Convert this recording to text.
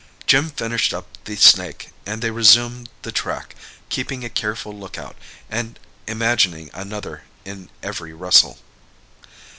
Jim finished up the snake, and they resumed the track, keeping a careful look out, and imagining another in every rustle.